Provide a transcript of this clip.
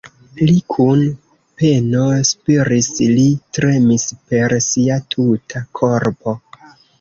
Li kun peno spiris, li tremis per sia tuta korpo.